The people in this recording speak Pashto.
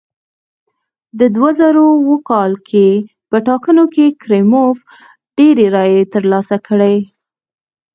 د دوه زره اووه کال په ټاکنو کې کریموف ډېرې رایې ترلاسه کړې.